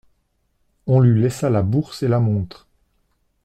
On lui laissa la bourse et la montre.